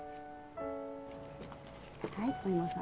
はいお芋さん